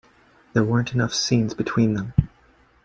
There weren't enough scenes between them.